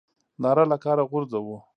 ناره له کاره غورځوو.